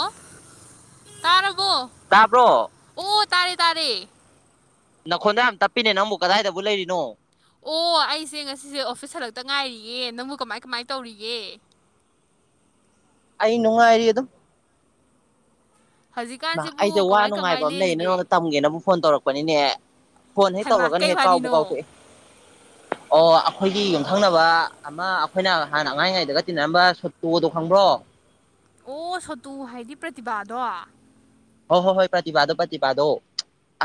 ꯑꯣ ꯇꯥꯔꯕꯣ ꯇꯥꯕ꯭ꯔꯣ ꯑꯣ ꯇꯥꯔꯦ ꯇꯥꯔꯦ ꯅꯈꯣꯟꯗꯣ ꯌꯥꯝ ꯇꯞꯄꯤꯅꯦ ꯅꯪꯕꯨ ꯀꯗꯥꯏꯗꯕꯨ ꯂꯩꯔꯤꯅꯣ ꯑꯣ ꯑꯩꯁꯦ ꯉꯁꯤꯁꯦ ꯑꯣꯐꯤꯁ ꯍꯜꯂꯛꯇ ꯉꯥꯏꯔꯤꯌꯦ ꯅꯪꯕꯨ ꯀꯃꯥꯏ ꯀꯃꯥꯏ ꯇꯧꯔꯤꯒꯦ ꯑꯩ ꯅꯨꯡꯉꯥꯏꯔꯤ ꯑꯗꯨꯝ ꯍꯩꯃ ꯑꯩꯁꯦ ꯍꯧꯖꯤꯛꯀꯥꯟꯁꯤꯕꯨ ꯋꯥ ꯀꯃꯥꯏ ꯅꯨꯡꯉꯥꯏꯕ ꯀꯃꯥꯏ ꯑꯃ ꯂꯩꯌꯦꯅ ꯂꯦꯜꯂꯤꯒꯦ ꯅꯪꯅꯣꯟꯗ ꯇꯝꯒꯦꯅꯕꯨ ꯐꯣꯟ ꯇꯧꯔꯛꯄꯅꯤꯅꯦ ꯐꯣꯟ ꯍꯦꯛ ꯍꯩꯃꯥ ꯇꯧꯔꯒꯅ ꯀꯩ ꯍꯦꯛ ꯀꯥꯎꯕꯨ ꯋꯥꯔꯤꯅꯣ ꯀꯥꯎꯊꯣꯛꯑꯦ ꯑꯣ ꯑꯩꯈꯣꯏꯒꯤ ꯌꯨꯝꯊꯪꯅꯕ ꯑꯃ ꯑꯩꯈꯣꯏꯅ ꯍꯥꯟꯅ ꯑꯉꯥꯡ ꯑꯣꯢꯔꯤ ꯉꯥꯢꯗꯒ ꯇꯤꯟꯅꯔꯝꯕ ꯁꯣꯇꯣꯗꯣ ꯈꯪ ꯕ꯭ꯔꯣ ꯑꯣ ꯁꯣꯇꯨ ꯍꯥꯏꯗꯤ ꯄ꯭ꯔꯇꯤꯚꯥꯗꯣ ꯍꯣꯏ ꯍꯣꯏ ꯍꯣꯏ ꯄ꯭ꯔꯇꯤꯚꯥꯗꯣ ꯄ꯭ꯔꯇꯤꯚꯥꯗꯣ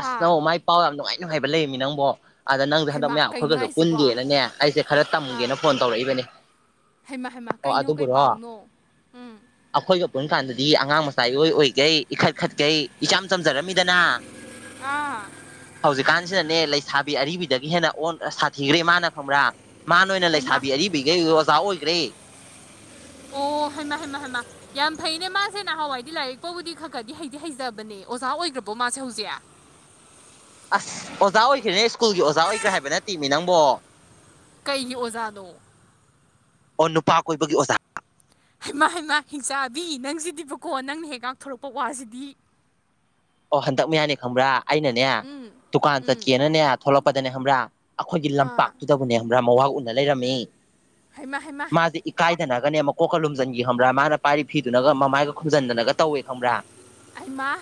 ꯑꯁ ꯅꯣ ꯃꯥꯏ ꯄꯥꯎ ꯌꯥꯝ ꯅꯨꯡꯉꯥꯏ ꯅꯨꯡꯉꯥꯏꯕ ꯂꯩꯌꯦꯃꯤ ꯅꯪꯕꯣ ꯑꯗ ꯅꯪꯁꯦ ꯍꯟꯗꯛ ꯍꯩꯃꯥ ꯃꯌꯥꯝ ꯀꯩꯅꯣ ꯑꯩꯈꯣꯏꯒꯁꯨ ꯍꯥꯏꯁꯤꯕꯣ ꯄꯨꯟꯗꯦꯅꯅꯦ ꯑꯩꯁꯦ ꯈꯔ ꯇꯝꯒꯦꯅ ꯐꯣꯟ ꯇꯧꯔꯛꯏꯕꯅꯦ ꯍꯩꯃ ꯍꯩꯃ ꯑꯣ ꯀꯩꯅꯣ ꯀꯩ ꯑꯗꯨꯕꯨꯔꯣ ꯄꯥꯎꯅꯣ ꯎꯝ ꯂꯨꯍꯣꯡ ꯀꯥꯟꯗꯗꯤ ꯑꯉꯥꯡ ꯃꯆꯥ ꯢꯑꯣꯏ ꯑꯣꯏꯒꯩ ꯏꯈꯠ ꯈꯠꯀꯩ ꯏꯆꯝ ꯆꯝꯖꯔꯝꯃꯤꯗꯅ ꯑꯥ ꯍꯧꯖꯤꯛꯀꯥꯟꯁꯤꯅꯅꯦ ꯂꯩꯁꯥꯕꯤ ꯕꯤ ꯑꯔꯤꯕꯗꯒꯤ ꯍꯦꯟꯅ ꯑꯣ ꯁꯥꯊꯤꯈ꯭ꯔꯦ ꯃꯥꯅ ꯈꯪꯕ꯭ꯔꯥ ꯃꯥꯅ ꯑꯣꯏꯅ ꯍꯩꯃꯥ ꯂꯩꯁꯥꯕꯤ ꯑꯔꯤꯕꯤꯒꯩ ꯑꯣꯖꯥ ꯑꯣꯏ ꯒ꯭ꯔꯦ ꯑꯣ ꯍꯩꯃꯥꯍꯥꯏꯩꯃ ꯍꯥꯏꯃ ꯌꯥꯝ ꯐꯩꯅꯦ ꯃꯥꯁꯦ ꯅꯍꯥꯟꯋꯥꯏꯗꯤ ꯂꯥꯏꯔꯤꯛ ꯐꯥꯎꯕꯨꯗꯤ ꯈꯔ ꯈꯗꯤ ꯍꯩꯗꯤ ꯍꯩꯖꯕꯅꯦ ꯅꯦ ꯑꯣꯖꯥ ꯑꯣꯏꯒ꯭ꯔꯕꯣ ꯃꯥꯁꯦ ꯍꯧꯖꯤꯛ ꯑꯁ ꯑꯣꯖꯥ ꯑꯣꯏꯈ꯭ꯔꯦ ꯁ꯭ꯀꯨꯜꯒꯤ ꯑꯣꯖꯥ ꯑꯣꯏꯒ꯭ꯔꯦ ꯍꯥꯏꯕ ꯅꯠꯇꯦ ꯃꯤ ꯅꯪꯕꯣ ꯀꯩꯒꯤ ꯑꯣꯖꯥꯅꯣ ꯑꯣ ꯅꯨꯄꯥ ꯀꯣꯏꯕꯒꯤ ꯑꯣꯖꯥ ꯍꯩꯃꯥ ꯍꯩꯃꯥ ꯍꯤꯡꯆꯥꯕꯤ ꯅꯪꯁꯤꯗꯤꯕꯀꯣ ꯅꯪꯅ ꯍꯦꯛ ꯉꯥꯛꯊꯣꯔꯛꯄ ꯋꯥꯁꯤꯗꯤ ꯑꯣ ꯍꯟꯗꯛ ꯃꯌꯥꯅꯦ ꯈꯪꯕ꯭ꯔꯥ ꯑꯩꯅꯅꯦ ꯎꯝ ꯗꯨꯀꯥꯟ ꯎꯝ ꯆꯠꯀꯦꯅꯅꯦ ꯊꯣꯛꯂꯛꯄꯗꯅꯦ ꯈꯪꯕ꯭ꯔꯥ ꯑꯩꯈꯣꯏꯒꯤ ꯑꯥ ꯂꯝꯄꯥꯛꯇꯨꯗꯕꯨꯅꯦ ꯈꯪꯕ꯭ꯔꯥ ꯃꯋꯥ ꯎꯅ ꯂꯩꯔꯝꯃꯦ ꯍꯩꯃꯥ ꯍꯩꯃꯥ ꯃꯥꯗꯤ ꯏꯀꯥꯏ ꯇꯅꯒꯅꯦ ꯃꯀꯣꯛꯀ ꯂꯨꯝꯖꯤꯟꯈꯤ ꯈꯪꯕ꯭ꯔꯥ ꯃꯥꯅ ꯄꯥꯏꯔꯤ ꯐꯤꯗꯨꯅꯒ ꯃꯃꯥꯏꯒ ꯈꯨꯝꯖꯤꯟꯗꯅꯒ ꯇꯧꯋꯦ ꯈꯪꯕ꯭꯭ꯔꯥ ꯑꯩꯃꯥ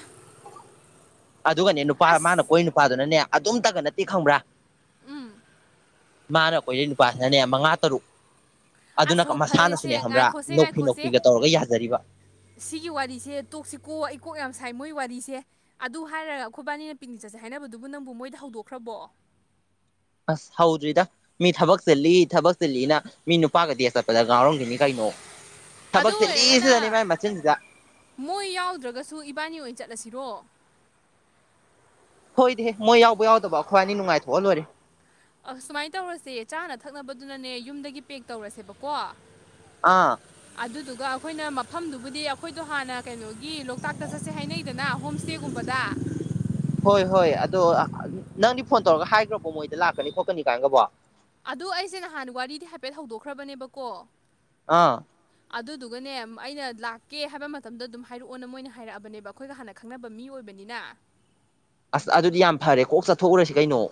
ꯑꯗꯨꯒꯅꯦ ꯅꯨꯄꯥ ꯃꯥꯅ ꯑꯁ ꯀꯣꯏ ꯅꯨꯄꯥꯗꯨꯅꯅꯦ ꯑꯗꯨꯝꯇꯒ ꯅꯠꯇꯦ ꯈꯪꯕ꯭ꯔꯥ ꯎꯝ ꯃꯥꯅ ꯀꯣꯏꯅꯔꯤ ꯅꯨꯄꯥꯁꯤꯅꯅꯦ ꯃꯉꯥ ꯇꯔꯨꯛ ꯑꯗꯨꯅ ꯑꯁ ꯀ ꯍꯣ ꯃꯁꯥꯅꯁꯨꯅꯦ ꯐꯔꯦꯁꯦ ꯈꯪꯕ꯭ꯔꯥ ꯉꯥꯏꯈꯣꯁꯦ ꯅꯣꯛꯐꯤ ꯉꯥꯏꯈꯣꯁꯦ ꯅꯣꯛꯐꯤꯒ ꯇꯧꯔꯒ ꯌꯥꯖꯔꯤꯕ ꯁꯤꯒꯤ ꯋꯥꯔꯤꯁꯦ ꯇꯣꯛꯁꯤꯀꯣ ꯑꯩ ꯀꯣꯛ ꯌꯥꯝ ꯁꯥꯏ ꯃꯣꯏ ꯋꯥꯔꯤꯁꯦ ꯑꯗꯨ ꯍꯥꯏꯔꯒ ꯑꯩꯈꯣꯏꯕꯥꯏꯅꯤꯅ ꯄꯤꯛꯅꯤꯛ ꯆꯠꯁꯦ ꯍꯥꯏꯅꯕꯗꯨꯕꯨ ꯅꯪꯕꯨ ꯃꯣꯏꯗ ꯍꯧꯗꯣꯛꯈ꯭ꯔꯕꯣ [inaudible] ꯑꯁ ꯍꯧꯗ꯭ꯔꯤꯗ ꯃꯤ ꯊꯕꯛ ꯆꯂꯤ ꯊꯕꯛ ꯆꯤꯜꯂꯤꯅ ꯃꯤ ꯅꯨꯄꯥꯒ ꯗꯦꯠ ꯆꯠꯄꯗ ꯉꯥꯎꯔꯝꯒꯤꯅꯤ ꯀꯩꯅꯣ ꯅꯣ ꯑꯗꯨ ꯑꯣꯏꯔꯒꯅ ꯃꯣꯏ ꯌꯥꯎꯗ꯭ꯔꯒꯁꯨ ꯏꯕꯥꯅꯤ ꯑꯣꯏꯅ ꯆꯠꯂꯁꯤꯔꯣ ꯍꯣꯏꯗꯍꯦ ꯃꯣꯏ ꯌꯥꯎꯕ ꯌꯥꯎꯗꯕ ꯑꯩꯈꯣꯏꯋꯥꯅꯤ ꯅꯨꯡꯉꯥꯏꯊꯣꯛꯑ ꯂꯣꯏꯔꯦ ꯑꯁ ꯁꯨꯃꯥꯏꯅ ꯇꯧꯔꯁꯦ ꯆꯥꯅ ꯊꯛꯅꯕꯗꯨꯅꯅꯦ ꯌꯨꯝꯗꯒꯤ ꯄꯦꯛ ꯇꯧꯔꯁꯦꯕꯀꯣ ꯑꯥ ꯑꯗꯨꯗꯨꯒ ꯑꯩꯈꯣꯏꯅ ꯃꯐꯝꯗꯨꯕꯨꯗꯤ ꯑꯩꯈꯣꯏꯗꯣ ꯍꯥꯟꯅ ꯀꯩꯅꯣꯒꯤ ꯂꯣꯛꯇꯥꯛꯇ ꯆꯠꯁꯦ ꯍꯥꯏꯅꯩꯗꯅ ꯍꯣꯝꯁ꯭ꯇꯦꯒꯨꯝꯕꯗ ꯑ ꯅꯪꯗꯤ ꯐꯣꯟ ꯇꯧꯔꯒ ꯍꯥꯢꯒ꯭ꯔꯕꯣ ꯃꯣꯏꯗ ꯂꯥꯛꯀꯅꯤ ꯈꯣꯠꯀꯅꯤ ꯀꯥꯏꯒꯕꯣ ꯑꯗꯨ ꯑꯩꯁꯦ ꯅꯍꯥꯟ ꯋꯥꯔꯤꯗꯤ ꯍꯥꯏꯐꯦꯠ ꯍꯧꯗꯣꯛꯈ꯭ꯔꯕꯅꯦꯕꯀꯣ ꯑꯥ ꯑꯗꯨꯗꯨꯒꯅꯦ ꯑꯩꯅ ꯂꯥꯛꯀꯦ ꯍꯥꯏꯕ ꯃꯇꯝꯗ ꯑꯗꯨꯝ ꯍꯥꯏꯔꯛꯑꯣꯅ ꯃꯣꯏꯅ ꯍꯥꯏꯔꯛꯑꯕꯅꯦꯕ ꯑꯩꯈꯣꯏꯒ ꯍꯥꯟꯅ ꯈꯪꯅꯕ ꯃꯤ ꯑꯣꯏꯕ ꯅꯤꯅ ꯑꯁ ꯑꯗꯨꯗꯤ ꯌꯥꯝ ꯐꯔꯦ ꯀꯣꯛ ꯆꯠꯊꯣꯛꯎꯔꯁꯤ ꯀꯩꯅꯣ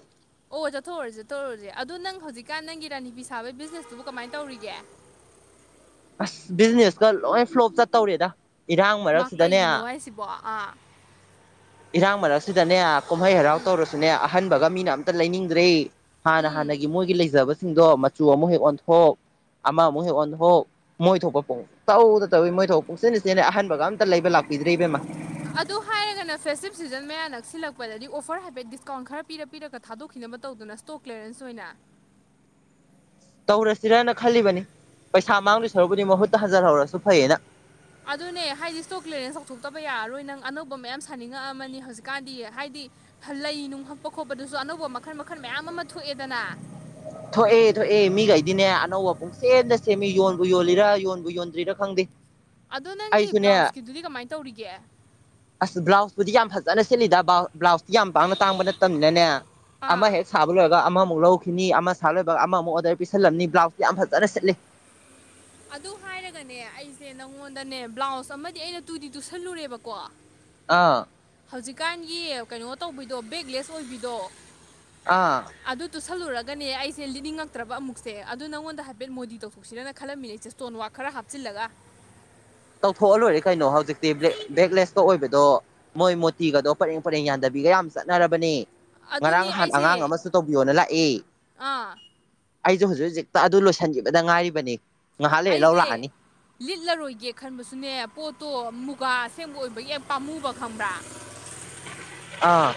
ꯑꯣ ꯆꯠꯊꯣꯛꯎꯔꯁꯦ ꯆꯠꯊꯣꯛꯎꯔꯨꯔꯁꯦ ꯑꯗꯣ ꯅꯪ ꯍꯧꯖꯤꯛꯀꯥꯟ ꯅꯪꯒꯤ ꯔꯥꯅꯤ ꯐꯤ ꯁꯥꯕꯒꯤ ꯕꯤꯖꯤꯅꯦꯁꯇꯨꯕꯨ ꯀꯃꯥꯏꯅ ꯇꯧꯔꯤꯒꯦ [inaudible] ꯑꯁ ꯕꯤꯖꯤꯅꯦꯁꯀ ꯂꯣꯏ ꯐ꯭ꯂꯣꯞ ꯆꯠꯇꯧꯔꯦꯗ ꯏꯔꯥꯡ ꯃꯥ ꯃꯔꯛꯁꯤꯗꯅꯦ ꯀꯩꯒꯤꯅꯣ ꯍꯥꯏꯁꯤꯕꯣ ꯑꯥ ꯏꯔꯥꯡ ꯃꯔꯛꯁꯤꯗꯅꯦ ꯀꯨꯝꯍꯩ ꯍꯔꯥꯎ ꯇꯧꯔꯁꯨꯅꯦ ꯑꯍꯟꯕꯒ ꯃꯤꯅ ꯑꯝꯇ ꯂꯩꯅꯤꯡꯗ꯭ꯔꯦ ꯍꯥꯟꯅ ꯎꯝ ꯍꯥꯟꯅꯒꯤ ꯃꯣꯏꯒꯤ ꯂꯩꯖꯕꯁꯤꯡꯗꯣ ꯃꯆꯨ ꯑꯃꯨꯛ ꯍꯦꯛ ꯑꯣꯟꯊꯣꯛ ꯑꯃꯃꯨꯛ ꯍꯦꯛ ꯑꯣꯟꯊꯣꯛ ꯃꯣꯏ ꯊꯣꯛꯄ ꯄꯨꯡꯇꯧ ꯇꯧꯏ ꯃꯣꯏ ꯊꯣꯛꯄ ꯄꯨꯡꯁꯤꯟꯗ ꯁꯤꯖꯤꯟꯅꯩ ꯑꯍꯟꯕꯒ ꯑꯝ ꯑꯇ ꯂꯩꯕ ꯂꯥꯛꯄꯤꯗ꯭ꯔꯦ ꯏꯕꯦꯝꯃ ꯑꯗꯨ ꯍꯥꯏꯔꯒꯅ ꯐꯦꯁꯇꯤꯞ ꯁꯤꯖꯟ ꯃꯌꯥ ꯅꯛꯁꯤꯜꯂꯛꯄꯗꯗꯤ ꯑꯣꯐꯔ ꯍꯥꯏꯐꯦꯠ ꯗꯤꯁꯀꯥꯎꯟ ꯈꯔ ꯄꯤꯔ ꯄꯤꯔꯒ ꯊꯥꯗꯣꯛꯈꯤꯅꯕ ꯇꯧꯗꯅ ꯁ꯭ꯇꯣꯛ ꯀ꯭ꯂꯤꯌꯥꯔꯦꯟꯁ ꯑꯣꯏꯅ [inaudible] ꯇꯧꯔꯁꯤꯔ ꯈꯜꯂꯤꯕꯅꯤ ꯄꯩꯁꯥ ꯃꯥꯡꯗꯣꯏ ꯁꯔꯨꯛꯄꯨꯗꯤ ꯃꯍꯨꯠꯇ ꯍꯟꯖꯤꯜꯍꯧꯔꯁꯨ ꯐꯩꯌꯦꯅ ꯑꯗꯨꯅꯦ ꯍꯥꯏꯗꯤ ꯏꯁꯇꯣꯛ ꯀ꯭ꯂꯤꯌꯥꯔꯦꯟꯁ ꯇꯧꯊꯣꯛꯇꯕ ꯌꯥꯔꯔꯣꯏ ꯅꯪ ꯑꯅꯧꯕ ꯃꯌꯥꯝ ꯁꯥꯅꯤꯡꯉꯛꯑꯃꯅꯤ ꯍꯧꯖꯤꯛꯀꯥꯟꯗꯤ ꯍꯥꯏꯗꯤ ꯗꯤ ꯂꯩ ꯅꯨꯡ ꯍꯛꯄ ꯈꯣꯠꯄꯗꯁꯨ ꯑꯅꯧꯕ ꯃꯈꯜ ꯃꯈꯜ ꯃꯌꯥꯝ ꯑꯃ ꯊꯣꯛꯑꯦꯗꯅ ꯊꯣꯛꯑꯦ ꯊꯣꯛꯑꯦ ꯃꯤꯒꯩꯗꯤꯅꯦ ꯑꯅꯧꯕ ꯄꯨꯝꯁꯦꯝꯗ ꯁꯦꯝꯃꯤ ꯌꯣꯟꯕꯨ ꯌꯣꯜꯂꯤꯔꯥ ꯌꯣꯟꯕꯨ ꯌꯣꯟꯗ꯭ꯔꯤꯔꯥ ꯈꯪꯗꯦ ꯑꯗꯣ ꯅꯪꯒꯤ ꯑꯩꯁꯨꯅꯦ ꯕ꯭ꯂꯥꯎꯁꯀꯤꯗꯨꯗꯤ ꯀꯃꯥꯏꯅ ꯇꯧꯔꯤꯒꯦ ꯑꯁ ꯕ꯭ꯂꯥꯎꯁꯇꯨꯗꯤ ꯌꯥꯝ ꯐꯖꯅ ꯁꯦꯠꯂꯤꯗ ꯕꯥꯎ ꯕ꯭ꯂꯥꯎꯁꯇꯤ ꯌꯥꯝ ꯄꯥꯡꯅ ꯇꯥꯡꯕ ꯅꯠꯇꯕꯅꯤꯅꯅꯦ ꯑꯥ ꯑꯃꯍꯦꯛ ꯁꯥꯕ ꯂꯣꯏꯔꯒ ꯑꯃꯃꯨꯛ ꯑꯃꯨꯛ ꯂꯧꯈꯤꯅꯤ ꯑꯃ ꯁꯥ ꯂꯣꯏꯕ ꯑꯃꯃꯨꯛ ꯑꯣꯔꯗꯔ ꯄꯤꯁꯜꯂꯝꯅꯤ ꯕ꯭ꯂꯥꯎꯁꯇꯤ ꯌꯥꯝ ꯐꯖꯅ ꯁꯤꯠꯂꯤ ꯑꯗꯨ ꯍꯥꯏꯔꯒꯅꯦ ꯑꯩꯁꯦ ꯅꯪꯉꯣꯟꯗꯅꯦ ꯕ꯭ꯂꯥꯎꯁ ꯑꯃꯗꯤ ꯑꯩꯅ ꯇꯨꯗꯤ ꯇꯨꯁꯜꯂꯨꯔꯦꯕꯀꯣ ꯑꯥ ꯍꯧꯖꯤꯛꯀꯥꯟꯒꯤ ꯀꯩꯅꯣ ꯇꯧꯕꯤꯗꯣ ꯕꯦꯛꯂꯦꯁ ꯑꯣꯏꯕꯤꯗꯣ ꯑꯥ ꯑꯗꯨ ꯇꯨꯁꯜꯂꯨꯔ ꯒꯅꯦ ꯑꯩꯁꯦ ꯂꯤꯠꯅꯤꯡꯉꯛꯇ꯭ꯔꯕ ꯑꯃꯨꯛꯁꯦ ꯑꯗꯨ ꯅꯉꯣꯟꯗ ꯍꯥꯏꯐꯦꯠ ꯃꯣꯗꯤ ꯇꯧꯊꯣꯛꯁꯤꯔꯅ ꯈꯜꯂꯝꯃꯤꯅꯦ ꯏꯁꯇꯣꯟꯋꯥꯛ ꯈꯔ ꯍꯥꯞꯆꯤꯜꯂꯒ ꯇꯧꯊꯣꯛꯑ ꯂꯣꯏꯔꯦ ꯀꯩꯅꯣ ꯍꯧꯖꯤꯛꯇꯤ ꯕ꯭ꯂꯦꯛꯂꯦꯁ ꯑꯣꯏꯕꯗꯣ ꯃꯣꯏ ꯃꯣꯇꯤꯒꯗꯣ ꯄꯔꯦꯡ ꯄꯔꯦꯡ ꯌꯥꯟꯗꯕꯤꯒ ꯌꯥꯝ ꯆꯠꯅꯔꯕꯅꯦ ꯉꯔꯥꯡ ꯑꯗꯨꯅꯦ ꯍꯥꯟ ꯑꯩꯁꯦ ꯑꯉꯥꯡ ꯑꯃꯁꯨ ꯇꯧꯕꯤꯌꯣꯅ ꯂꯥꯛꯑꯦ ꯑꯥ ꯑꯩꯁꯨ ꯍꯧꯖꯤꯛ ꯍꯧꯖꯤꯛꯇ ꯑꯗꯨ ꯂꯣꯏꯁꯤꯟꯈꯤꯕꯗ ꯉꯥꯏꯔꯤꯕꯅꯤ ꯉꯥꯏꯍꯥꯛ ꯂꯩꯔ ꯂꯧ ꯑꯩꯁꯦ ꯂꯥꯛꯑꯅꯤ ꯂꯤꯠꯂꯔꯣꯏꯒꯦ ꯈꯟꯕꯁꯨꯅꯦ ꯄꯣꯠꯇꯣ ꯃꯨꯒꯥ ꯑꯁꯦꯡꯕ ꯑꯣꯏꯕꯒꯤ ꯌꯥꯥꯝ ꯄꯥꯝꯃꯨꯕ ꯈꯪꯕ꯭ꯔꯥ ꯑꯥ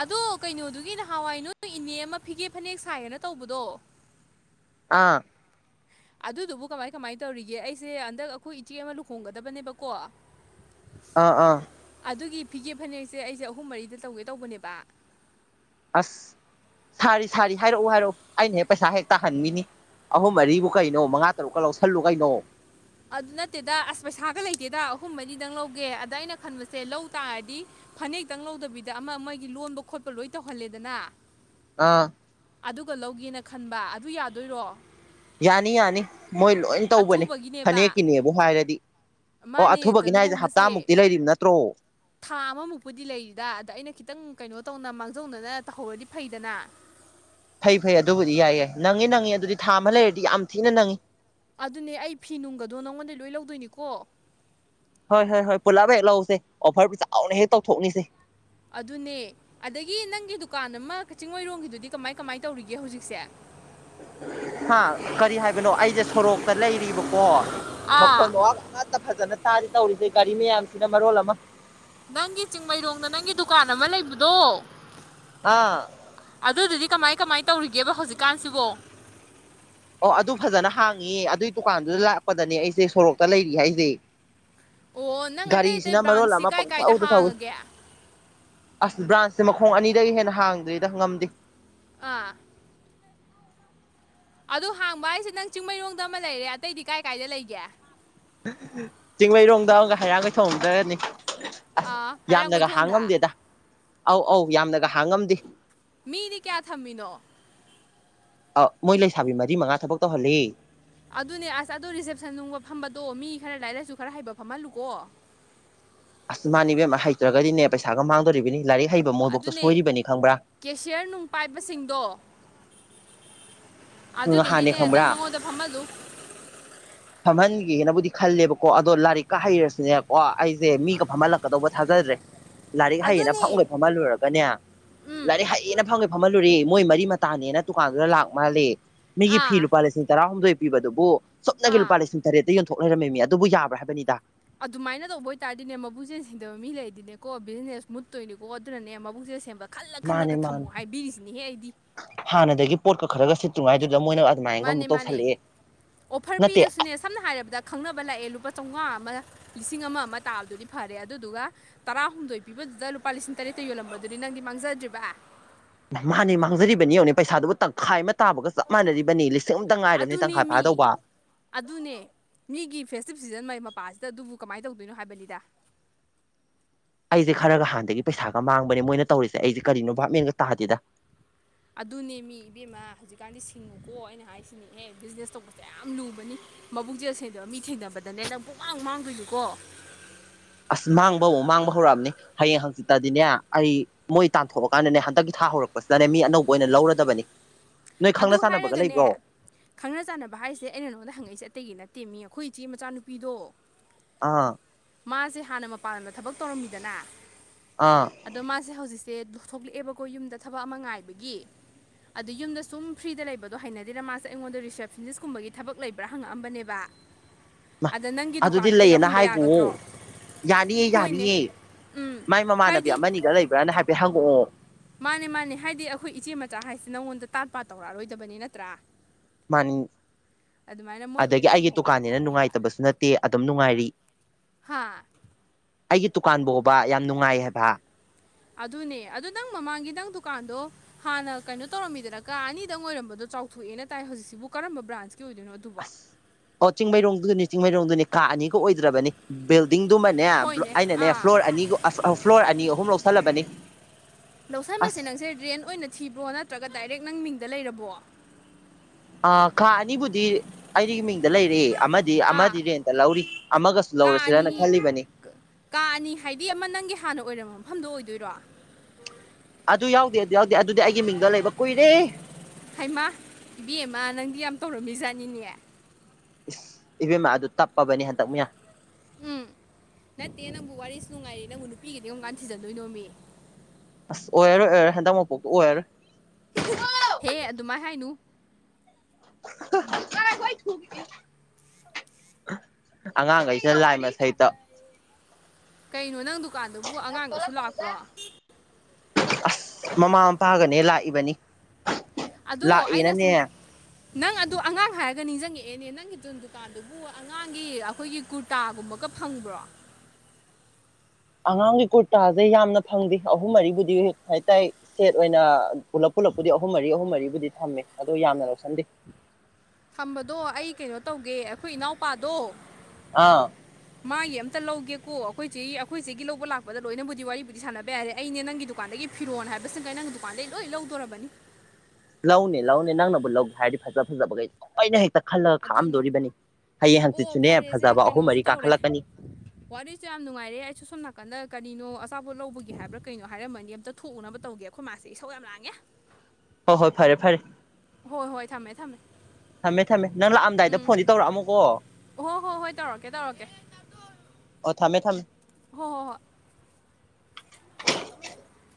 ꯑꯗꯣ ꯀꯩꯅꯣꯗꯨꯒꯤ ꯅꯍꯥꯟꯋꯥꯏ ꯅꯣꯢ ꯏꯅꯦ ꯑꯃ ꯐꯤꯒꯦ ꯐꯅꯦꯛ ꯁꯥꯏꯌꯦꯅ ꯇꯧꯕꯗꯣ ꯑꯥ ꯑꯗꯨꯗꯨꯕꯨ ꯀꯃꯥꯏ ꯀꯃꯥꯏꯅ ꯇꯧꯔꯤꯒꯦ ꯑꯩꯁꯦ ꯍꯟꯗꯛ ꯑꯩꯈꯣꯏ ꯏꯆꯦ ꯑꯃ ꯂꯨꯍꯣꯡꯒꯗꯕꯅꯦꯕꯀꯣ ꯑꯥ ꯑꯥ ꯑꯗꯨꯒꯤ ꯐꯤꯒꯦ ꯐꯅꯦꯛꯁꯦ ꯑꯩꯁꯦ ꯑꯍꯨꯝ ꯃꯔꯤꯗ ꯇꯧꯒꯦ ꯇꯧꯕꯅꯦꯕ ꯑꯁ ꯁꯥꯔꯤ ꯁꯥꯔꯤ ꯍꯥꯏꯔꯛꯎ ꯍꯥꯏꯔꯛꯎ ꯑꯩꯅ ꯍꯦꯛ ꯄꯩꯁꯥ ꯍꯦꯛ ꯇꯥꯍꯟꯕꯤꯅꯤ ꯑꯍꯨꯝ ꯃꯔꯤꯕꯨ ꯀꯩꯅꯣ ꯃꯉꯥ ꯇꯔꯨꯛꯀ ꯂꯧꯁꯜꯂꯨ ꯀꯩꯅꯣ ꯑꯗꯨ ꯅꯠꯇꯦꯗ ꯑꯁ ꯄꯩꯁꯥꯒ ꯂꯩꯇꯦꯗ ꯑꯍꯨꯝ ꯃꯔꯤꯗꯪ ꯂꯧꯒꯦ ꯑꯗ ꯑꯩꯅ ꯈꯟꯕꯁꯦ ꯂꯧ ꯇꯥꯔꯗꯤ ꯐꯅꯦꯛꯇꯪ ꯂꯧꯗꯕꯤꯗ ꯑꯃ ꯃꯣꯢꯒꯤ ꯂꯣꯟꯕ ꯈꯣꯠꯄ ꯂꯣꯏ ꯇꯧꯍꯜꯂꯦꯗꯅ ꯑꯥ ꯑꯗꯨꯒ ꯂꯧꯒꯦꯅ ꯈꯟꯕ ꯑꯗꯨ ꯌꯥꯗꯣꯏꯔꯣ ꯌꯥꯅꯤ ꯌꯥꯅꯤ ꯃꯣꯏ ꯂꯣꯏ ꯇꯧꯕꯅꯤ ꯑꯊꯨꯕꯒꯤꯅꯦꯕ ꯐꯅꯦꯛꯀꯤꯅꯦꯕꯨ ꯍꯥꯏꯔꯗꯤ ꯑꯣ ꯃꯥꯅꯦ ꯇ ꯑꯊꯨꯕꯒꯤꯅꯤ ꯍꯥꯏꯁꯦ ꯂꯨꯍꯣꯡꯕꯁꯦ ꯍꯞꯇꯥꯃꯨꯛꯇꯤ ꯂꯩꯔꯤꯕ ꯅꯠꯇ꯭ꯔꯣ ꯊꯥ ꯑꯃꯃꯨꯛꯄꯨꯗꯤ ꯂꯩꯔꯤꯗ ꯑꯗ ꯑꯩꯅ ꯈꯤꯇꯪ ꯀꯩꯅꯣ ꯇꯧꯅ ꯃꯥꯡꯖꯧꯅꯅ ꯇꯧꯍꯧꯔꯗꯤ ꯐꯩꯗꯅ ꯐꯩ ꯐꯩ ꯑꯗꯨꯕꯨꯗꯤ ꯌꯥꯏ ꯌꯥꯏ ꯅꯪꯉꯤ ꯅꯪꯉꯤ ꯑꯗꯨꯗꯤ ꯊꯥ ꯑꯃ ꯂꯩꯔꯗꯤ ꯌꯥꯝ ꯊꯤꯅ ꯅꯪꯏ ꯑꯗꯨꯅꯦ ꯑꯩ ꯐꯤ ꯅꯨꯡꯒꯗꯣ ꯅꯉꯣꯟꯗꯩ ꯂꯣꯏ ꯂꯧꯗꯣꯏꯅꯤꯀꯣ ꯍꯣꯏ ꯍꯣꯏ ꯍꯣꯏ ꯄꯨꯂꯥꯕ ꯍꯦꯛ ꯂꯎꯁꯦ ꯑꯣꯐꯔ ꯆꯥꯎꯅ ꯍꯦꯛ ꯇꯧꯊꯣꯛꯅꯤꯁꯦ ꯑꯗꯨꯅꯦ ꯑꯗꯒꯤ ꯅꯪꯒꯤ ꯗꯨꯀꯥꯟ ꯑꯃ ꯆꯤꯡꯃꯩꯔꯣꯡꯒꯤꯗꯨꯗꯤ ꯀꯃꯥꯏ ꯀꯃꯥꯏ ꯇꯧꯔꯤꯒꯦ ꯍꯧꯖꯤꯛꯁꯦ ꯍꯥ ꯀꯔꯤ ꯍꯥꯏꯕꯅꯣ ꯑꯩꯁꯦ ꯁꯣꯔꯣꯛꯇ ꯂꯩꯔꯤꯕꯀꯣ ꯃꯈꯣꯟ ꯑꯥ ꯃꯥꯋꯥꯒ ꯑꯃꯠꯇ ꯐꯖꯅ ꯇꯥꯗꯦ ꯇꯧꯔꯤꯁꯦ ꯒꯥꯔꯤ ꯃꯌꯥꯝꯁꯤꯅ ꯃꯔꯣꯜ ꯑꯃ ꯅꯪꯒꯤ ꯆꯤꯡꯃꯩꯔꯣꯡꯗ ꯅꯪꯒꯤ ꯗꯨꯀꯥꯟ ꯑꯃ ꯂꯩꯕꯗꯣ ꯑꯥ ꯑꯗꯨꯗꯨꯗꯤ ꯀꯃꯥꯏ ꯀꯃꯥꯏꯅ ꯇꯧꯔꯤꯒꯦꯕ ꯍꯧꯖꯤꯛꯀꯥꯟꯁꯤꯕꯣ ꯑꯣ ꯑꯗꯨ ꯐꯖꯅ ꯍꯥꯡꯉꯤꯌꯦ ꯑꯗꯨꯏ ꯗꯨꯀꯥꯟꯗꯨꯗ ꯂꯥꯛꯄꯗꯅꯦ ꯑꯩꯁꯦ ꯁꯣꯔꯣꯛꯇ ꯂꯩꯔꯤ ꯍꯥꯏꯁꯦ ꯑꯣ ꯅꯪ ꯑꯇꯩ ꯑꯇꯩ ꯒꯥꯔꯤꯁꯤꯅ ꯃꯔꯣꯜ ꯕ꯭ꯔꯥꯟꯁꯇꯤ ꯑꯃ ꯀꯥꯏ ꯄꯪ ꯀꯥꯏꯗ ꯊꯧꯗ ꯊꯧꯏ ꯍꯥꯡꯉꯒꯦ ꯑꯁ ꯕ꯭ꯔꯥꯟꯁ ꯁꯤ ꯃꯈꯣꯡ ꯑꯅꯤꯗꯒꯤ ꯍꯦꯟꯅ ꯍꯥꯡꯗ꯭ꯔꯤꯗ ꯉꯝꯗꯦ ꯑꯥ ꯑꯗꯨ ꯍꯥꯡꯕ ꯍꯥꯏꯁꯦ ꯅꯪ ꯆꯤꯡꯃꯩꯔꯣꯡꯗ ꯑꯃ ꯂꯩꯔꯦ ꯑꯇꯩꯗꯤ ꯀꯥꯏ ꯀꯥꯏꯗ ꯂꯩꯒꯦ ꯆꯤꯡꯃꯩꯔꯣꯡꯗ ꯑꯃꯒ ꯍꯩꯔꯥꯡꯒꯣꯢꯊꯣꯡꯗꯒꯅꯤ ꯑꯁ ꯑꯥ ꯌꯥꯝꯅꯒ ꯍꯩꯔꯥꯡꯒꯣꯏꯊꯣꯡꯗ ꯍꯥꯡꯉꯝꯗꯦꯗ ꯑꯧ ꯑꯧ ꯌꯥꯝꯅꯒ ꯍꯥꯡ ꯉꯝꯗꯦ ꯃꯤꯗꯤ ꯀꯌꯥ ꯊꯝꯃꯤꯅꯣ ꯑ ꯃꯣꯏ ꯂꯩꯁꯥꯕꯤ ꯃꯔꯤ ꯃꯉꯥ ꯊꯕꯛ ꯇꯧꯍꯜꯂꯦ ꯑꯗꯨꯅꯦ ꯑꯁ ꯑꯗꯨ ꯔꯤꯁꯦꯞꯁꯟ ꯅꯨꯡꯒ ꯐꯝꯕꯗꯣ ꯃꯤ ꯈꯔ ꯂꯥꯏꯔꯤꯛ ꯂꯥꯢꯁꯨ ꯈꯔ ꯍꯩꯕ ꯐꯝꯍꯜꯂꯨꯀꯣ ꯑꯁ ꯃꯥꯅꯤ ꯏꯕꯦꯝꯃ ꯍꯩꯇ꯭ꯔꯒꯗꯤꯅꯦ ꯄꯩꯁꯥꯒ ꯃꯥꯡꯗꯣꯔꯤꯕꯅꯤ ꯂꯥꯏꯔꯤꯛ ꯍꯩꯕ ꯃꯣꯏꯕꯨꯛꯇ ꯑꯗꯨꯅꯦ ꯁꯣꯏꯔꯤꯕꯅꯤ ꯈꯪꯕ꯭ꯔꯥ ꯀꯦꯁꯤꯌꯔ ꯅꯨꯡ ꯄꯥꯏꯕꯁꯤꯡꯗꯣ ꯅꯍꯥꯟꯅꯦ ꯑꯗꯨꯗꯨꯒꯤꯅꯦ ꯅꯪ ꯈꯪꯕ꯭ꯔꯥ ꯃꯉꯣꯟꯗ ꯐꯝꯍꯜꯂꯨ ꯐꯝꯍꯟꯒꯦꯅꯕꯨꯗꯤ ꯈꯜꯂꯦꯕꯀꯣ ꯑꯗꯣ ꯂꯥꯏꯔꯤꯛꯀꯥ ꯍꯩꯔꯁꯨꯅꯦꯕꯀꯣ ꯑꯩꯁꯦ ꯃꯤꯒ ꯐꯝꯍꯜꯂꯛꯀꯗꯧꯕ ꯊꯥꯖꯗ꯭ꯔꯦ ꯂꯥꯏꯔꯤꯛ ꯍꯩꯌꯦꯅ ꯐꯝꯒꯩ ꯐꯝꯍꯜꯂꯨꯔꯒꯅꯦ ꯎꯝ ꯂꯥꯏꯔꯤꯛ ꯍꯩꯌꯦꯅ ꯐꯝꯒꯩ ꯐꯝꯍꯜꯂꯨꯔꯦ ꯃꯣꯏ ꯃꯔꯤ ꯃꯇꯥꯅꯦꯅ ꯗꯨꯀꯥꯟꯗꯨꯗ ꯂꯥꯛ ꯃꯥꯜꯂꯦ ꯃꯤꯒꯤ ꯐꯤ ꯑꯥ ꯂꯨꯄꯥ ꯂꯤꯁꯤꯡ ꯇꯔꯥꯍꯨꯝꯗꯣꯏ ꯄꯤꯕꯗꯨꯕꯨ ꯁꯨꯞꯅꯒꯤ ꯂꯨꯄꯥ ꯑꯥ ꯂꯤꯁꯤꯡ ꯇꯔꯦꯠꯇ ꯌꯣꯟꯊꯣꯛ ꯂꯩꯔꯝꯃꯦꯃꯤ ꯑꯗꯨꯕꯨ ꯌꯥꯕ꯭ꯔꯥ ꯍꯥꯏꯕꯅꯤꯗ ꯑꯗꯨꯃꯥꯏꯅ ꯇꯧꯕ ꯑꯣꯏꯇꯥꯥꯔꯗꯤꯅꯦ ꯃꯕꯨꯛꯆꯦꯜ ꯁꯦꯡꯗꯕ ꯃꯤ ꯂꯩꯗꯤꯅꯦꯀꯣ ꯕꯤꯖꯤꯅꯦꯁ ꯃꯨꯠꯇꯣꯏꯅꯤꯀꯣ ꯑꯗꯨꯅꯅꯦ ꯃꯕꯨꯛꯆꯦꯜ ꯁꯦꯡꯕ ꯈꯜꯂ ꯈꯜꯂꯒ ꯃꯥꯅꯤ ꯃꯥꯅꯤ ꯊꯝꯃꯣ ꯍꯥꯏꯕꯤꯔꯤꯁꯤꯅꯦꯍꯦ ꯑꯩꯗꯤ ꯍꯥꯟꯅꯗꯒꯤ ꯄꯣꯠꯀ ꯈꯔꯒ ꯁꯤꯠ ꯇꯨꯉꯥꯏꯗꯨ ꯑꯗꯨꯃꯥꯏꯟꯒ ꯃꯥꯅꯦ ꯑꯃꯨꯛ ꯃꯥꯅꯦ ꯇꯧꯁꯜꯂꯛꯑꯦ ꯑꯣꯐꯔ ꯅꯠꯇꯦ ꯄꯤꯔꯁꯨꯅꯦ ꯁꯝꯅ ꯍꯥꯏꯔꯕꯗ ꯈꯪꯅꯕ ꯂꯥꯛꯑꯦ ꯂꯨꯄꯥ ꯆꯧꯉꯥ ꯑꯃ ꯂꯤꯁꯤꯡ ꯑꯃ ꯑꯃ ꯇꯥꯕꯗꯨꯗꯤ ꯐꯔꯦ ꯑꯗꯨꯗꯨꯒ ꯇꯔꯥꯍꯨꯝꯗꯣꯏ ꯄꯤꯕꯗꯨꯗ ꯂꯨꯄꯥ ꯂꯤꯁꯤꯡ ꯇꯔꯦꯠꯇ ꯌꯣꯜꯂꯝꯕꯗꯨꯗꯤ ꯅꯪꯗꯤ ꯃꯥꯡꯖꯗ꯭ꯔꯤꯕ ꯃ ꯃꯥꯅꯦ ꯃꯥꯡꯖꯔꯤꯕꯅꯤ ꯌꯦꯡꯉꯨꯅꯦ ꯄꯩꯁꯥꯗꯨꯕꯨ ꯇꯪꯈꯥꯏ ꯑꯃ ꯇꯥꯕꯒ ꯆꯞ ꯃꯥꯟꯅꯔꯤꯕꯅꯦ ꯂꯤꯁ ꯑꯗꯨꯅꯦ ꯃꯤ ꯑꯗꯨꯅꯦ ꯃꯤꯒꯤ ꯐꯦꯁꯇꯤꯚ ꯁꯤꯖꯟꯕꯩ ꯃꯄꯥꯁꯤꯗ ꯑꯗꯨꯕꯨ ꯀꯃꯥꯏꯅ ꯇꯧꯗꯣꯏꯅꯣ ꯍꯥꯏꯕꯅꯤꯗ ꯑꯩꯖꯦ ꯈꯔꯒ ꯍꯥꯟꯅꯗꯒꯤ ꯄꯩꯁꯥꯒ ꯃꯥꯡꯕꯅꯦ ꯃꯣꯏꯅ ꯇꯧꯔꯤꯁꯦ ꯑꯩꯖꯦ ꯀꯔꯤꯅꯣ ꯚꯥꯞꯃꯦꯟꯒ ꯇꯥꯗꯦꯗ ꯑꯗꯨꯅꯦ ꯃꯤ ꯏꯕꯦꯝꯃ ꯍꯧꯖꯤꯛꯀꯥꯟꯗꯤ ꯁꯤꯡꯉꯨꯀꯣ ꯑꯩꯅ ꯍꯥꯏꯁꯤꯅꯤꯍꯦ ꯕꯤꯖꯤꯅꯦꯁ ꯇꯧꯕꯁꯦ ꯌꯥꯝ ꯂꯨꯕꯅꯤ ꯃꯕꯨꯛꯆꯦꯜ ꯁꯦꯡꯗꯕ ꯃꯤ ꯊꯦꯡꯅꯕꯗꯅꯦ ꯅꯪ ꯄꯨꯛꯃꯥꯡ ꯃꯥꯡꯗꯣꯏꯅꯤꯀꯣ [unintelligible] ꯑꯁ ꯃꯥꯡꯕꯑꯣ ꯃꯥꯡꯕ ꯍꯧꯔꯛꯑꯕꯅꯤ ꯍꯌꯦꯡ ꯍꯪꯆꯤꯠꯇꯗꯤꯅꯦ ꯑꯩ ꯃꯣꯏ ꯇꯥꯟꯊꯣꯛ ꯑꯥꯀꯥꯟꯗꯅꯦ ꯍꯟꯗꯛꯀꯤ ꯊꯥ ꯊꯥ ꯍꯧꯔꯛꯄꯁꯤꯗꯅꯦ ꯃꯤ ꯑꯅꯧꯕ ꯑꯣꯏꯅ ꯂꯧꯔꯗꯕꯅꯤ ꯅꯣꯏ ꯑꯗꯨ ꯈꯪꯅ ꯆꯥꯟꯅꯕꯒ ꯍꯥꯏꯔꯒꯅꯦ ꯂꯩꯕ꯭ꯔꯣ ꯈꯪꯅ ꯆꯥꯟꯅꯕ ꯍꯥꯏꯁꯦ ꯑꯩꯅ ꯅꯉꯣꯟꯗ ꯍꯪꯉꯛꯏꯁꯦ ꯑꯇꯩꯒꯤ ꯅꯠꯇꯦ ꯃꯤ ꯑꯈꯨꯏ ꯆꯦ ꯃꯆꯥꯅꯨꯄꯤꯗꯣ ꯑꯥ ꯃꯥꯁꯦ ꯍꯥꯟꯅ ꯃꯄꯥꯟ ꯂꯝꯗ ꯊꯕꯛ ꯇꯧꯔꯝꯃꯤꯗꯅ ꯑꯥ ꯑꯗꯣ ꯃꯥꯁꯦ ꯍꯧꯖꯤꯛ ꯁꯦ ꯊꯣ ꯊꯣꯛꯂꯛꯑꯦꯕꯀꯣ ꯌꯨꯝꯗ ꯊꯕꯛ ꯑꯃ ꯉꯥꯏꯕꯒꯤ ꯑꯗ ꯌꯨꯝꯗ ꯁꯨꯝ ꯐ꯭ꯔꯤꯗ ꯂꯩꯕꯗꯣ ꯍꯩꯅꯗꯦꯅ ꯃꯥꯁꯦ ꯑꯩꯉꯣꯟꯗ ꯔꯤꯁꯦꯞꯁꯟꯅꯤꯁꯀꯨꯝꯕꯒꯤ ꯊꯕꯛ ꯂꯩꯕ꯭ꯔꯥ ꯍꯪꯉꯛꯑꯝꯕꯅꯦꯕ ꯃꯥ ꯑꯗ ꯅꯪꯒꯤ ꯑꯗꯨꯗꯤ ꯗꯨꯀꯥꯟꯗꯨꯗ ꯂꯩꯌꯦꯅ ꯌꯥꯎꯍꯟꯕ ꯍꯥꯏꯒꯣ ꯌꯥꯒꯗ꯭ꯔꯣ ꯌꯥꯅꯤꯌꯦ ꯍꯣꯏꯅꯦ ꯌꯥꯅꯤꯌꯦ ꯎꯝ ꯃꯥꯏ ꯃꯃꯥꯟꯅꯕꯤ ꯍꯥꯏꯗꯤ ꯑꯃꯅꯤꯒ ꯂꯩꯕ꯭ꯔꯥꯅ ꯍꯥꯏꯐꯦꯠ ꯍꯪꯉꯛꯑꯣ ꯃꯥꯅꯦ ꯃꯥꯅꯦ ꯍꯥꯏꯗꯤ ꯑꯈꯣꯏ ꯏꯆꯦ ꯃꯆꯥ ꯍꯥꯏꯁꯦ ꯅꯪꯉꯣꯟꯗ ꯇꯥꯠ ꯄꯥꯠ ꯇꯧꯔꯛꯑꯔꯣꯏꯗꯕꯅꯦ ꯅꯠꯇ꯭ꯔꯥ ꯃꯥꯅꯤ ꯑꯗꯨꯃꯥꯏꯅ ꯃꯣꯏ ꯑꯗꯒꯤ ꯑꯣꯏꯅ ꯑꯩꯒꯤ ꯊꯝꯍꯧꯕꯅ ꯇꯨꯀꯥꯟꯅꯦꯅ ꯐꯅꯤꯕ ꯅꯨꯡꯉꯥꯏꯇꯕꯁꯨ ꯅꯠꯇꯦ ꯑꯗꯨꯝ ꯅꯨꯡꯉꯥꯏꯔꯤ ꯍꯥꯥ ꯑꯩꯒꯤ ꯇꯨꯀꯥꯟꯕꯣꯕ ꯌꯥꯝ ꯅꯨꯡꯉꯥꯏ ꯍꯥꯏꯕ ꯑꯗꯨꯅꯦ ꯑꯗꯨ ꯅꯪ ꯃꯃꯥꯡꯒꯤ ꯅꯪ ꯗꯨꯀꯥꯟꯗꯣ ꯍꯥꯟꯅ ꯀꯩꯅꯣ ꯇꯧꯔꯝꯃꯤꯗꯅ ꯀꯥ ꯑꯅꯤꯗꯪ ꯑꯣꯏꯔꯝꯕꯗꯣ ꯆꯥꯎꯊꯣꯛꯑꯦꯅ ꯇꯥꯏ ꯍꯧꯖꯤꯛꯁꯤꯕꯨ ꯀꯔꯝꯕ ꯕ꯭ꯔꯥꯟꯁ ꯑꯁ ꯑꯣ ꯆꯤꯡꯃꯩꯔꯣꯡꯗꯨꯅꯤ ꯆꯤꯡꯃꯩꯔꯣꯡꯗꯨꯅꯤ ꯀꯥ ꯑꯅꯤꯒ ꯑꯣꯏꯗ꯭ꯔꯕꯅꯤ ꯕꯤꯜ ꯗꯤꯡꯗꯨꯃꯅꯦ ꯕ꯭ꯂꯣ ꯍꯣꯏꯅꯦ ꯑꯩꯅꯅꯦ ꯑꯥ ꯐ꯭ꯂꯣꯔ ꯑꯅꯤꯒ ꯑꯁ ꯑ ꯐ꯭ꯂꯣꯔ ꯑꯅꯤ ꯑꯍꯨꯝ ꯂꯧꯁꯜꯂꯕꯅꯤ ꯂꯧꯁꯟꯕꯁꯦ ꯑꯁ ꯅꯪꯁꯦ ꯔꯦꯟ ꯑꯣꯏꯅ ꯊꯤꯕ꯭ꯔꯣ ꯅꯠꯇ꯭ꯔꯒ ꯗꯥꯏꯔꯦꯛ ꯅꯪ ꯃꯤꯡꯗ ꯂꯩꯔꯕꯣ ꯑꯥ ꯀꯥ ꯑꯅꯤꯕꯨꯗꯤ ꯑꯩꯒꯤ ꯃꯤꯡꯗ ꯂꯩꯔꯦ ꯑꯃꯗꯤ ꯑꯥ ꯑꯃꯗꯤ ꯔꯦꯟꯠꯇ ꯂꯧꯔꯤ ꯑꯃꯒꯁꯨ ꯀꯥ ꯑꯅꯤ ꯂꯧꯔꯁꯤꯔꯅ ꯈꯜꯂꯤꯕꯅꯤ ꯀꯥ ꯑꯅꯤ ꯍꯥꯏꯗꯤ ꯑꯃ ꯅꯪꯒꯤ ꯍꯥꯟꯅ ꯑꯣꯏꯔꯝꯕ ꯃꯐꯝꯗꯣ ꯑꯣꯏꯗꯣꯏꯔꯣ ꯑꯗꯨ ꯌꯥꯎꯗꯦ ꯑꯗꯨ ꯌꯥꯎꯗꯦ ꯑꯗꯨꯗꯤ ꯑꯩꯒꯤ ꯃꯤꯡꯗ ꯂꯩꯕ ꯀꯨꯏꯔꯦ ꯍꯩꯃꯥ ꯏꯕꯦꯝꯃ ꯅꯪꯗꯤ ꯌꯥꯝ ꯇꯧꯔꯝꯃꯤ ꯖꯥꯠꯅꯤꯅꯦ ꯏꯁ ꯏꯕꯦꯝꯃ ꯑꯗꯨ ꯇꯞꯄꯕꯅꯦ ꯍꯟꯇꯛ ꯃꯌꯥ ꯎꯝ ꯅꯠꯇꯦ ꯅꯪꯕꯨ ꯋꯥꯔꯤꯁꯨ ꯅꯨꯡꯉꯥꯏꯔꯤ ꯅꯪꯕꯨ ꯅꯨꯄꯤꯒꯗꯤ ꯀꯝꯀꯥꯟ ꯊꯤꯖꯟꯗꯣꯏꯅꯣꯃꯤ ꯑꯁ ꯑꯣꯏꯔꯔꯣꯢ ꯑꯣꯏꯔꯔꯣꯢ ꯍꯟꯗꯛ ꯃꯄꯣꯛꯄꯧ ꯑꯣꯏꯔꯔꯣꯢ [unintelligible] ꯍꯦ ꯑꯗꯨꯃꯥꯏ ꯍꯥꯏꯅꯨ ꯍ ꯉꯥꯢꯈꯣꯍꯩꯠ ꯊꯨꯒꯤꯖꯤ ꯑꯉꯥꯡꯈꯩꯁꯤꯅ ꯂꯥꯏꯃ ꯁꯩꯇ ꯀꯩꯅꯣ ꯅꯪ ꯗꯨꯀꯥꯟꯗꯨꯕꯨ ꯑꯉꯥꯡꯒꯁꯨ ꯂꯥꯛꯄ꯭ꯔꯣ ꯑꯁ ꯃꯃꯥ ꯃꯄꯥꯒꯅꯦ ꯂꯥꯛꯏꯕꯅꯤ ꯑꯗꯣ ꯑꯩꯅ ꯂꯥꯛꯑꯦꯅꯅꯦ ꯁꯨꯝ ꯅꯪ ꯑꯗꯨ ꯑꯉꯥꯡ ꯍꯥꯏꯔꯒ ꯅꯤꯡꯖꯪꯉꯛꯑꯦ ꯑꯦꯅꯦ ꯅꯪꯒꯤ ꯗꯨꯟ ꯗꯨꯀꯥꯟꯗꯨꯕꯨ ꯑꯉꯥꯡꯒꯤ ꯑꯈꯣꯏꯒꯤ ꯀꯨꯔꯇꯥꯒꯨꯝꯕꯒ ꯐꯪꯕ꯭ꯔꯣ [inaudible] ꯑꯉꯥꯡꯒꯤ ꯀꯨꯔꯇꯥꯖꯦ ꯌꯥꯝꯅ ꯐꯪꯗꯦ ꯑꯍꯨꯝ ꯃꯔꯤꯕꯨꯗꯤ ꯀꯩ ꯍꯥꯏ ꯇꯥꯏ ꯁꯦꯠ ꯑꯣꯏꯅ ꯄꯨꯂꯞ ꯄꯨꯂꯞ ꯕꯨꯗꯤ ꯑꯍꯨꯝ ꯃꯔꯤ ꯑꯍꯨꯝ ꯃꯔꯤꯕꯨꯗꯤ ꯊꯝꯃꯦ ꯑꯗꯣ ꯌꯥꯝꯅ ꯂꯧꯁꯟꯗꯦ ꯊꯝꯕꯗꯣ ꯑꯩ ꯀꯩꯅꯣ ꯇꯧꯒꯦ ꯑꯩꯈꯣꯏ ꯏꯅꯥꯎꯄꯥꯗꯣ ꯑꯥ ꯃꯥꯒꯤ ꯑꯃꯝꯇ ꯂꯧꯒꯦꯀꯣ ꯑꯩꯈꯣꯏ ꯆꯦꯒꯤ ꯑꯩꯈꯣꯏ ꯆꯦꯒꯤ ꯂꯧꯕ ꯂꯥꯛꯄꯗ ꯂꯣꯏꯅꯕꯨꯗꯤ ꯋꯥꯔꯤꯕꯨꯗꯤ ꯁꯥꯟꯅꯕ ꯌꯥꯔꯦ ꯑꯩꯅꯦ ꯅꯪꯒꯤ ꯗꯨꯀꯥꯟꯗꯒꯤ ꯐꯤꯔꯣꯟ ꯍꯥꯏꯕꯁꯤꯒꯩ ꯅꯪꯒꯤ ꯗꯨꯀꯥꯟꯗꯩ ꯂꯣꯏ ꯂꯧꯗꯣꯔꯕꯅꯤ ꯂꯧꯅꯦ ꯂꯧꯅꯦ ꯅꯪꯅꯕꯨ ꯂꯧꯒꯦ ꯍꯥꯏꯔꯗꯤ ꯐꯖ ꯐꯖꯕꯒꯩ ꯂꯣꯢꯅ ꯍꯦꯛꯇ ꯈꯜꯂꯒ ꯑꯗꯨꯅꯤ ꯈꯥꯛꯑꯝꯗꯣꯔꯤꯕꯅꯤ ꯍꯌꯦꯡ ꯑꯣ ꯍꯪꯆꯤꯠꯁꯨꯅꯦ ꯐꯔꯦꯁꯦ ꯐꯖꯕ ꯑꯍꯨꯝ ꯀꯩꯅꯣꯁꯨ ꯃꯔꯤ ꯇꯧꯔꯦ ꯀꯥꯈꯠꯂꯛꯀꯅꯤ ꯋꯥꯔꯤꯁꯨ ꯌꯥꯝ ꯅꯨꯡꯉꯥꯏꯔꯦ ꯑꯩꯁꯨ ꯁꯣꯝ ꯅꯥꯀꯟꯗ ꯀꯂꯤꯅꯣ ꯑꯆꯥꯄꯣꯠ ꯂꯧꯕꯒꯤ ꯍꯥꯏꯕ꯭ꯔꯥ ꯀꯩꯅꯣ ꯍꯥꯏꯔꯝꯕꯅꯤ ꯑꯝꯇ ꯊꯣꯛꯎꯅꯕ ꯇꯧꯒꯦ ꯈꯣꯏ ꯃꯥꯁꯦ ꯏꯁꯧ ꯌꯥꯝ ꯂꯥꯡꯉꯦ ꯍꯣ ꯍꯣꯏ ꯐꯔꯦ ꯐꯔꯦ ꯍꯣꯏ ꯍꯣꯏ ꯊꯝꯃꯦ ꯊꯝꯃꯦ ꯊꯝꯃꯦ ꯊꯝꯃꯦ ꯅꯪ ꯂꯥꯛꯑꯝꯗꯥꯏꯗ ꯎꯝ ꯐꯣꯟꯗꯤ ꯇꯧꯔꯛꯑꯝꯃꯣꯀꯣ ꯍꯣ ꯍꯣ ꯍꯣꯏ ꯇꯧꯔꯛꯀꯦ ꯇꯧꯔꯛꯀꯦ ꯑꯣ ꯊꯝꯃꯦ ꯊꯝ ꯍꯣ ꯍꯣ ꯍꯣꯏ [inaudible]